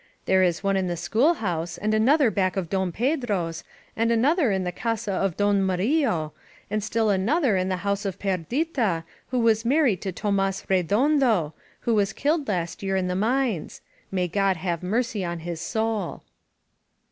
There is one in the schoolhouse, and another back of Don Pedro's, and another in the casa of Don Mario, and still another in the house of Perdita, who was mar ried to Thomas Redondo, who was killed last year in the mines ; may God have mercy on his soul